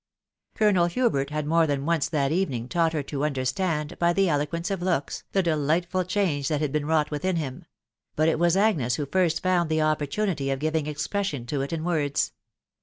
Colonel Hubert had more than once that evening taught her to understand, by the eloquence of looks, the delightful change that had been wrought within him ; but it was Agnes who first found the opportunity of giving expression to it in words.